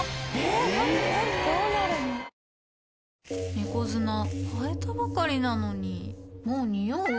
猫砂替えたばかりなのにもうニオう？